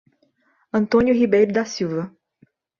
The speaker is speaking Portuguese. Antônio Ribeiro da Silva